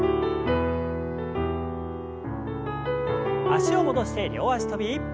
脚を戻して両脚跳び。